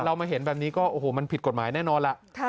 เรามาเห็นแบบนี้ก็โอ้โหมันผิดกฎหมายแน่นอนล่ะ